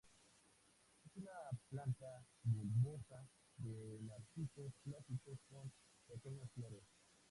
Es una planta bulbosa de narcisos clásicos con pequeñas flores.